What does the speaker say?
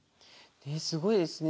すごいですね。